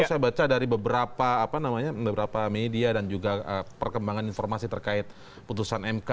saya baca dari beberapa media dan juga perkembangan informasi terkait putusan mk